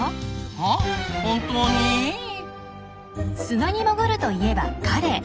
砂に潜るといえばカレイ。